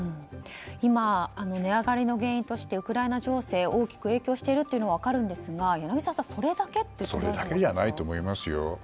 今、値上がりの原因としてウクライナ情勢大きく影響しているというのは分かるんですが柳澤さん、それだけですか？